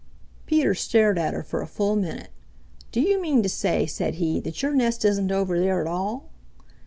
Peter stared at her for a full minute. "Do you mean to say," said he "that your nest isn't over there at all?"